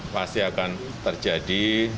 pasti akan terjadi